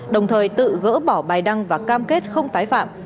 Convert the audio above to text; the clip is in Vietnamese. đồng thời tự gỡ bỏ bài đăng và cam kết không tái phạm